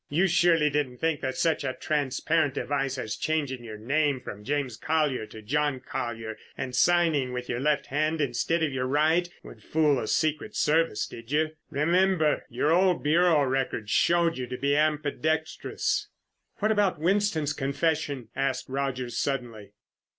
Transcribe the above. You surely didn't think that such a transparent device as changing your name from 'James Collier' to 'John Collyer' and signing with your left hand instead of your right would fool the secret service, did you? Remember, your old Bureau records showed you to be ambidextrous." "What about Winston's confession?" asked Rogers suddenly.